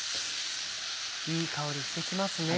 いい香りして来ますね。